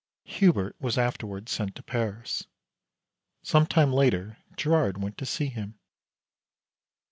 Hubert was afterward sent to Paris. Some time later Girard went to see him.